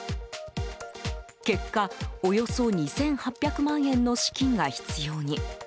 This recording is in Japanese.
結果、およそ２８００万円の資金が必要に。